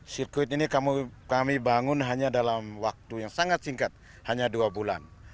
sirkuit ini kami bangun hanya dalam waktu yang sangat singkat hanya dua bulan